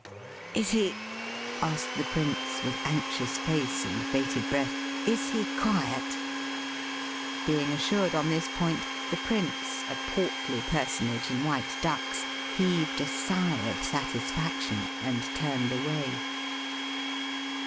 133 "Is he," asked the prince, with anxious face and bated breath, is he quiet ?" Being assured on this point, the prince, a portly personage in white ducks, heaved a sigh of satisfaction and turned away.